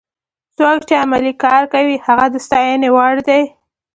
څوک چې علمي کار کوي هغه د ستاینې وړ دی.